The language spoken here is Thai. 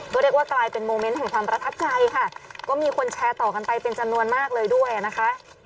ก็เรียกว่ากลายเป็นโมเมนต์แห่งความประทับใจค่ะก็มีคนแชร์ต่อกันไปเป็นจำนวนมากเลยด้วยนะคะ